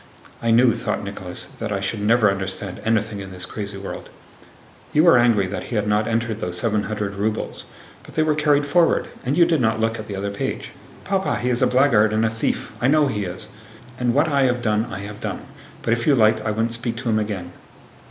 "I knew," thought Nicholas, "that I should never understand anything in this crazy world." "You were angry that he had not entered those 700 rubles. But they were carried forward—and you did not look at the other page." "Papa, he is a blackguard and a thief! I know he is! And what I have done, I have done; but, if you like, I won't speak to him again."